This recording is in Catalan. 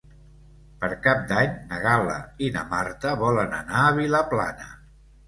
Per Cap d'Any na Gal·la i na Marta volen anar a Vilaplana.